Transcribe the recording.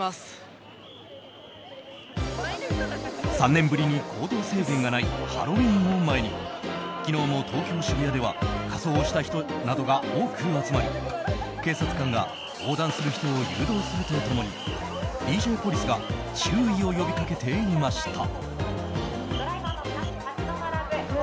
３年ぶりに行動制限がないハロウィーンを前に昨日も東京・渋谷では仮装をした人などが多く集まり警察官が横断する人を誘導すると共にＤＪポリスが注意を呼びかけていました。